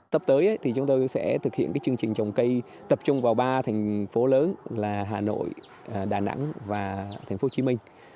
sắp tới thì chúng tôi sẽ thực hiện chương trình trồng cây tập trung vào ba thành phố lớn là hà nội đà nẵng và thành phố hồ chí minh